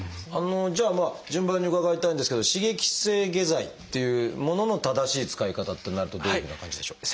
じゃあ順番に伺いたいんですけど刺激性下剤っていうものの正しい使い方ってなるとどういうふうな感じでしょう？